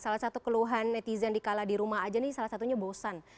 salah satu keluhan netizen di kala di rumah aja nih salah satunya bosan